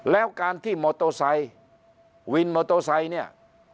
แล้วการที่มอโตไซค์วินมอโตไซค์เนี่ย